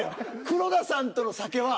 黒田さんとの酒は。